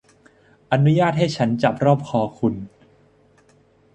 อนุญาตให้ฉันจับรอบคอคุณ